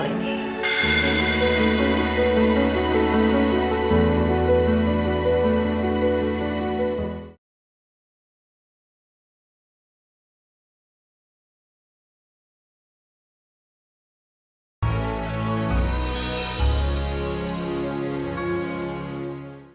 pak suria bener